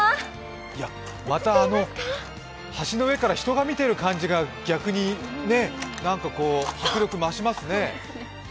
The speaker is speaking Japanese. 橋の上から人が見てる感じが、逆に迫力、増しますね。